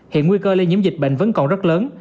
hiện nguy cơ lây nhiễm dịch bệnh vẫn còn rất lớn